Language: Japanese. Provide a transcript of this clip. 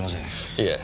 いえ。